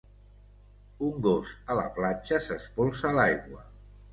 Un gos a la platja s'espolsa l'aigua